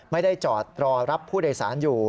ไม่ได้จอดรอรับผู้โดยสารอยู่